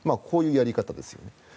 こういうやり方ですよね。